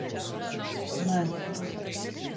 Nē.